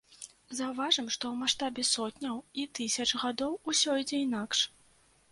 Заўважым, што ў маштабе сотняў і тысяч гадоў усё ідзе інакш.